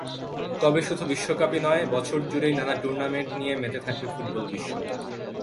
তবে শুধু বিশ্বকাপই নয়, বছরজুড়েই নানা টুর্নামেন্ট নিয়ে মেতে থাকবে ফুটবল-বিশ্ব।